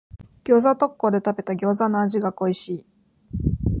餃子特講で食べた餃子の味が恋しい。